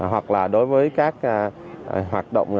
hoặc là đối với các hoạt động